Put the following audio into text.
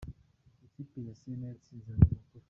Ikipe ya Serena yatsinze Abanyamakuru